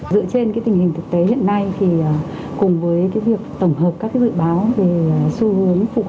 dựa trên cái tình hình thực tế hiện nay thì cùng với cái việc tổng hợp các cái dự báo về xu hướng phục